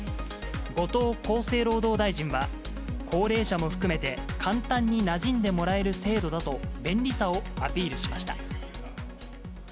後藤厚生労働大臣は、高齢者も含めて、簡単になじんでもらえる制度だと、便利さをアピールしました。